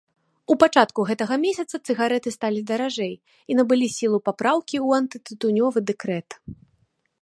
У пачатку гэтага месяца цыгарэты сталі даражэй і набылі сілу папраўкі ў антытытунёвы дэкрэт.